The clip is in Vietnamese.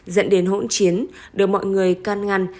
dẫn đến hỗn chiến đưa mọi người can ngăn